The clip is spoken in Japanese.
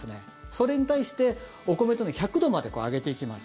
それに対して、お米１００度まで上げていきます。